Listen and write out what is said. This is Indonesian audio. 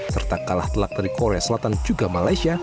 serta kalah telak dari korea selatan juga malaysia